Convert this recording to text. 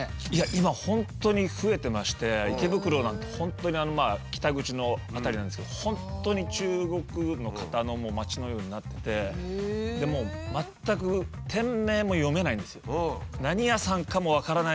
今本当に増えてまして池袋なんて本当に北口の辺りなんですけど本当に中国の方の町のようになっててもう全くメニューはどうなんですか？